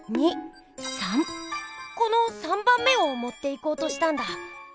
この３ばんめをもっていこうとしたんだ。